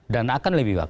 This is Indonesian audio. dan akan lebih banyak